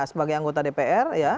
sebagai anggota dpr